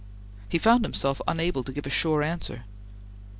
He found himself unable to give a sure answer.